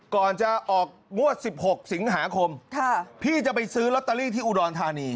ก่อนจะออกงวดสิบหกสิงหาคมท่าพี่จะไปซื้อร็อตตาลี่ที่อุดรณฐานี